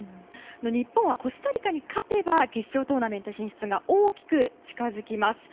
日本はコスタリカに勝てば決勝トーナメント進出が大きく近づきます。